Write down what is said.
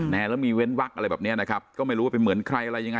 แล้วมีเว้นวักอะไรแบบนี้นะครับก็ไม่รู้ว่าเป็นเหมือนใครอะไรยังไง